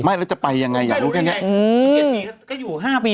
ไม่ก็จะไปยังไง